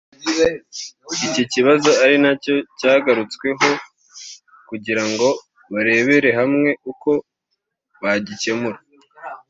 iki kikaba ari nacyo cyagarutsweho kugira ngo barebere hamwe uko bagikemura